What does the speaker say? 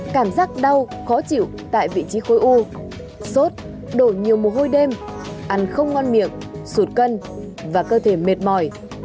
cảm giác đau khó chịu tại vị trí khối u sốt đổ nhiều mồ hôi đêm ăn không ngon miệng sụt cân và cơ thể mệt mỏi